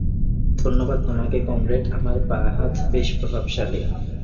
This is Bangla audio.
ধন্যবাদ তোমাকে, কমরেড, আমার বাঁ হাত বেশ প্রভাবশালী।